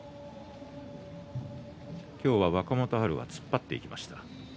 若元春は突っ張っていきました。